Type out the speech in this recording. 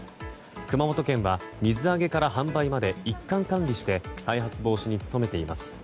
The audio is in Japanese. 熊本県は水揚げから販売まで一貫管理して再発防止に努めています。